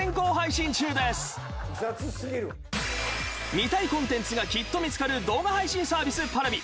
見たいコンテンツがきっと見つかる動画配信サービスＰａｒａｖｉ。